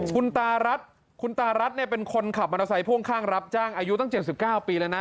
คุณตารัฐคุณตารัฐเนี่ยเป็นคนขับมอเตอร์ไซค์พ่วงข้างรับจ้างอายุตั้ง๗๙ปีแล้วนะ